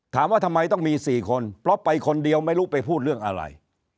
ถามว่าทำไมต้องมี๔คนเพราะไปคนเดียวไม่รู้ไปพูดเรื่องอะไร